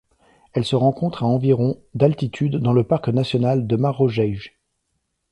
Elle se rencontre à environ d'altitude dans le parc national de Marojejy.